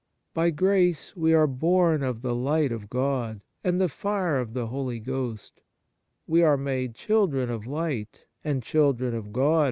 By grace we are born of the light of God, and the fire of the Holy Ghost; we are made "children of light " and children 1 John i. 5.